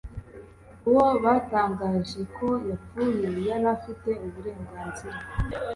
Uwo batangaje ko yapfuye yari afite uburenganzira